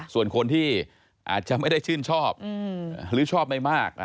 ส่วนคนที่อาจจะไม่ได้ชื่นชอบหรือชอบไม่มาก